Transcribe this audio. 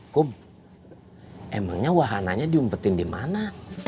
kok emangnya wahananya diumpetin di mana